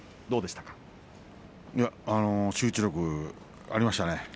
どうでしたか。